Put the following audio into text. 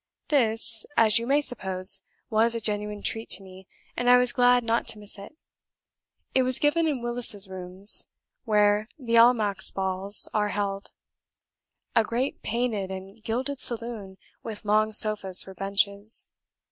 This, as you may suppose, was a genuine treat to me, and I was glad not to miss it. It was given in Willis' Rooms, where the Almacks balls are held a great painted and gilded saloon with long sofas for benches.